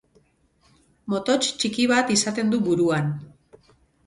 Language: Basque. Motots txiki bat izaten du buruan.